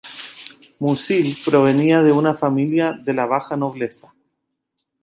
Musil provenía de una familia de la baja nobleza.